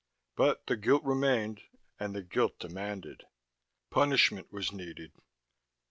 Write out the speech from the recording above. But the guilt remained, and the guilt demanded. Punishment was needed.